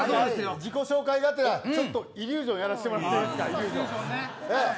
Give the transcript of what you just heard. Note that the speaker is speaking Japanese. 自己紹介がてらイリュージョンやらせてもらっていいですか。